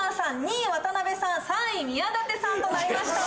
２位渡辺さん３位宮舘さんとなりました